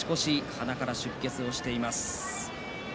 鼻から出血しています。